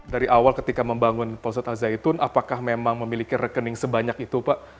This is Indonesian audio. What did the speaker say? dari awal ketika membangun polset al zaitun apakah memang memiliki rekening sebanyak itu pak